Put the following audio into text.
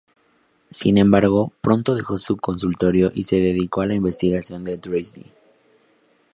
Sin embargo, pronto dejó su consultorio y se dedicó a la investigación en Dresde.